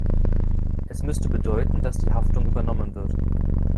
Es müsste bedeuten, dass die Haftung übernommen wird.